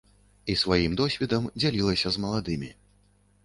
І сваім досведам дзялілася з маладымі.